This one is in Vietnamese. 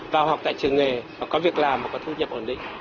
vào học tại trường nghề hoặc có việc làm và có thu nhập ổn định